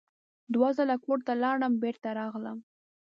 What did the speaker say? دوه ځله کور ته لاړم بېرته راغلم.